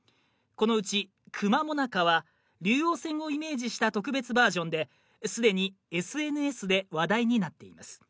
このうちくま最中は竜王戦をイメージした特別バージョンで既にＳＮＳで話題になっています。